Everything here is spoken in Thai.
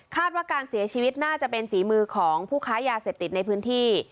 ว่าการเสียชีวิตน่าจะเป็นฝีมือของผู้ค้ายาเสพติดในพื้นที่